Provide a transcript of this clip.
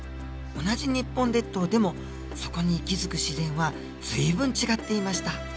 同じ日本列島でもそこに息づく自然は随分違っていました。